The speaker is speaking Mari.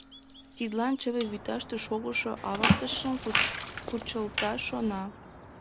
Тидлан чыве вӱташте шогышо авыртышым кучылташ шона.